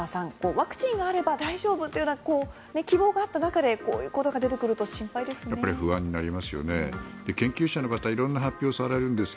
ワクチンがあれば大丈夫という希望があった中でこういったことが出てくると心配ですね。